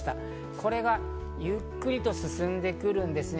これがゆっくりと進んでくるんですね。